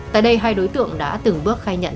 tại đây hai đối tượng đã từng bước khai nhận